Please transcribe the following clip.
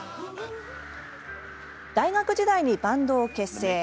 大学時代にバンドを結成。